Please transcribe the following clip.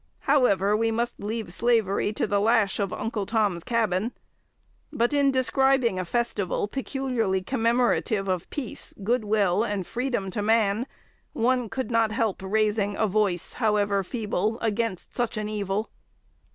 However, we must leave slavery to the lash of 'Uncle Tom's Cabin;' but in describing a festival peculiarly commemorative of peace, good will, and freedom to man, one could not help raising a voice, however feeble, against such an evil.